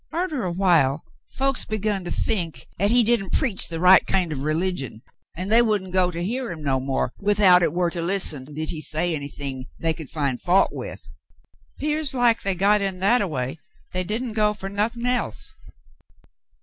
Arter a while, folks begun to think 'at he didn't preach the right kind of religion, an' they wouldn't go to hear him no more without hit war to listen did he say anythin' they could fin' fault with. 'Pears like they got in that a way they didn' go fer nothin' else.